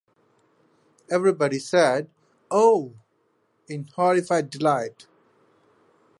Everybody said “Oh” in horrified delight.